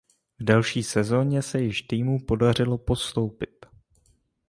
V další sezoně se již týmu podařilo postoupit.